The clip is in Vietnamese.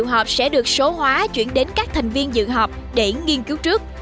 kỳ họp sẽ được số hóa chuyển đến các thành viên dự họp để nghiên cứu trước